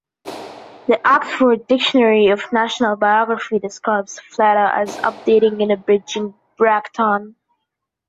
The "Oxford Dictionary of National Biography" describes "Fleta" as "updating and abridging" Bracton.